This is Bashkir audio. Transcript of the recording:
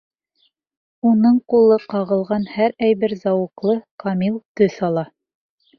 Уның ҡулы ҡағылған һәр әйбер зауыҡлы, камил төҫ ала.